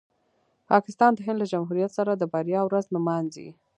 پاکستان د هند له جمهوریت سره د بریا ورځ نمانځي.